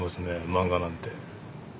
漫画なんて。